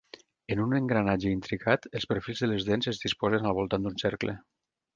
En un engranatge intricat, els perfils de les dents es disposen al voltant d'un cercle.